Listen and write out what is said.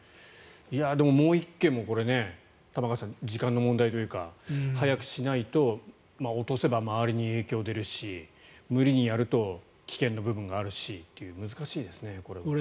でももう１軒も時間の問題というか早くしないと落とせば周りに影響が出るし無理にやると危険な部分があるしという難しいですね、これ。